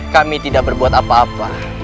kami tidak berbuat apa apa